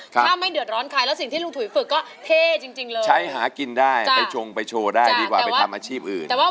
ก็จะไปชงไปโชว์ได้ดีกว่าไปทำอาชีพอื่น